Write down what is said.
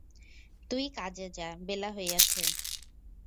তুই কাজে যা, বেলা হইয়াছে।